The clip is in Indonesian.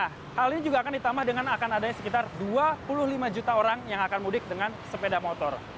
hal ini juga akan ditambah dengan akan ada sekitar dua puluh lima juta orang yang akan mudik dengan sepuluh juta pemudik